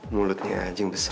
mulutnya aja yang besar